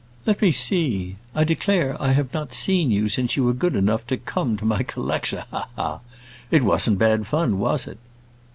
Let me see; I declare, I have not seen you since you were good enough to come to my collection. Ha! ha! ha! It wasn't bad fun, was it?"